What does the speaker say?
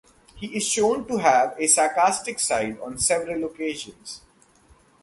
He is shown to have a sarcastic side on several occasions.